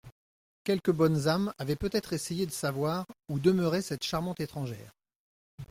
Quelques bonnes âmes avaient peut-être essayé de savoir où demeurait cette charmante étrangère.